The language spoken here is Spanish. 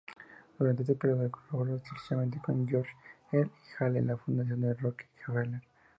Durante este periodo colaboro estrechamente con George E. Hale y la Fundación Rockefeller.